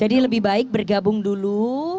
jadi lebih baik bergabung dulu